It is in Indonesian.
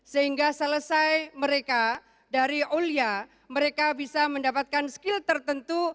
sehingga selesai mereka dari olia mereka bisa mendapatkan skill tertentu